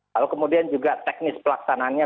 lalu kemudian juga teknis pelaksanaannya